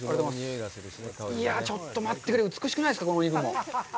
いや、ちょっと待ってくれよ、美しくないですか？